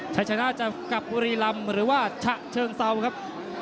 ชัยชนะจะกับบุรีรำหรือว่าฉะเชิงเซาครับ